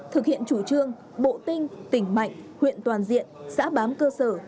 thực hiện chủ trương bộ tinh tỉnh mạnh huyện toàn diện xã bám cơ sở